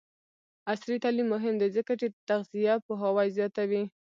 عصري تعلیم مهم دی ځکه چې د تغذیه پوهاوی زیاتوي.